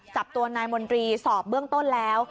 จับตัวนายมนตรีสอบเบื้องต้นแล้ว